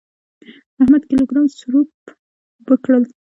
احمد کيلو ګرام سروپ اوبه کړل.